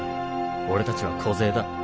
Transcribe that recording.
俺たちは小勢だ。